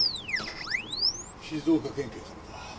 静岡県警からだ。